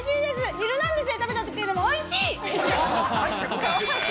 『ヒルナンデス！』で食べた時よりもおいしい！